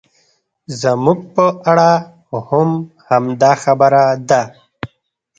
زموږ په اړه هم همدا خبره ده.